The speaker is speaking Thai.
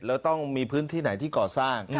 แล้วต้องมีพื้นที่ไหนที่ก่อสร้าง